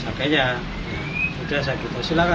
sebenarnya sudah saya ditosilakan